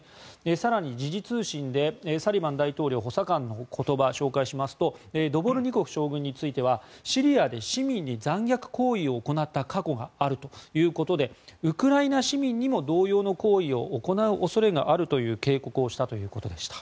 更に、時事通信でサリバン大統領補佐官の言葉を紹介しますとドボルニコフ将軍についてはシリアで市民に残虐行為を行った過去があるということでウクライナ市民にも同様の行為を行う恐れがあるという警告をしたということでした。